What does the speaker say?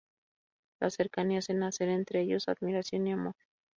La cercanía hace nacer entre ellos admiración y amor.